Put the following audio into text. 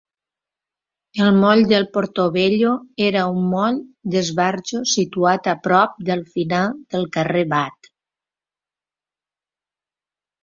El moll de Portobello era un moll d'esbarjo situat a prop del final del carrer Bath.